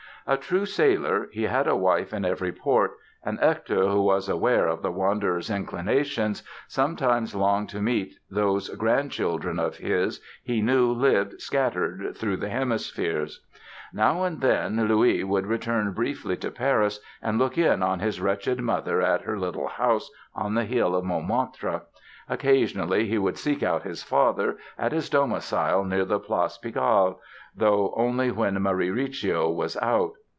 A true sailor he had a wife in every port and Hector, who was aware of the wanderer's inclinations, sometimes longed to meet those grandchildren of his he knew lived scattered through the hemispheres. Now and then Louis would return briefly to Paris and look in on his wretched mother at her little house on the hill of Montmartre. Occasionally he would seek out his father at his domicile near the Place Pigalle—though only when Marie Recio was out!